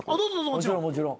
もちろんもちろん。